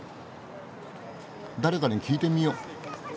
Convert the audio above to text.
誰かに聞いてみよう。